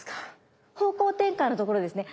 方向転換のところですね